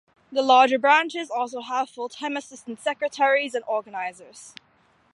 The larger branches also have full-time assistant secretaries and organisers.